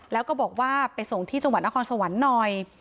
แล้วก็บอกว่าไปส่งที่จังหวัดนครสวรรค์หน่อย